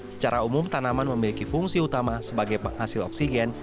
secara umum tanaman memiliki fungsi utama sebagai penghasil oksigen